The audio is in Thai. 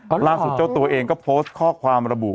ล่าสุดเจ้าตัวเองก็โพสต์ข้อความระบุ